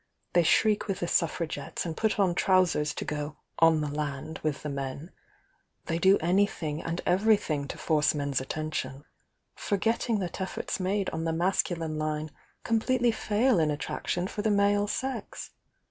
they shriek with the Sufifra THE YOUNG DIANA 93 gettes, and put on trousers to go 'on the land' with the men — they do anything and everything to force men's attention — forgetting that efforts made on the masculine line completely fail in attraction for the male sex.